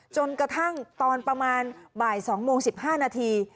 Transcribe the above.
จนกระทั่งตอนประมาณบ่าย๒โมง๑๕นาที